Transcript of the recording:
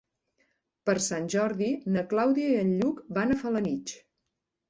Per Sant Jordi na Clàudia i en Lluc van a Felanitx.